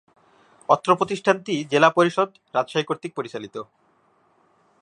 অত্র প্রতিষ্ঠানটি জেলা পরিষদ, রাজশাহী কর্তৃক পরিচালিত।